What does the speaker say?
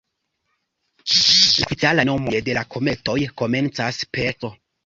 La oficialaj nomoj de la kometoj komencas per "C".